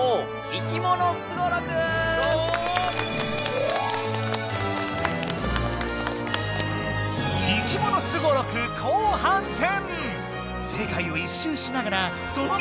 「いきものスゴロク」後半戦！